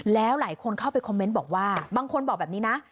แล้วหลายคนเข้าไปคอมเมนต์บอกว่าบางคนบอกแบบนี้นะ